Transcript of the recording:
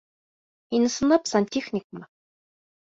Һин ысынлап сантехникмы?